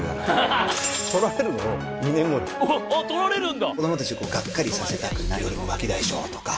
あっ撮られるんだ！